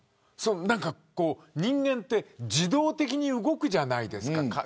人間って自動的に体が動くじゃないですか